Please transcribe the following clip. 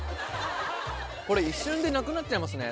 これ一瞬でなくなっちゃいますね